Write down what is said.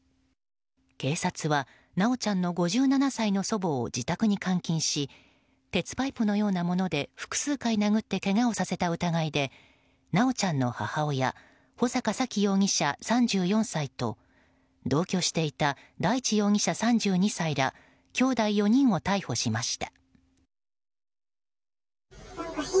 警察は、修ちゃんの５７歳の祖母を自宅に監禁し鉄パイプのようなもので複数回殴ってけがをさせた疑いで修ちゃんの母親穂坂沙喜容疑者、３４歳と同居していた大地容疑者、３２歳らきょうだい４人を逮捕しました。